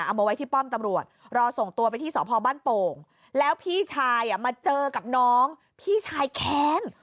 เอามาไว้ที่ป้อมตำรวจรอส่งตัวไปที่สพบ้านโป่งแล้วพี่ชายมาเจอกับน้องพี่ชายแค้น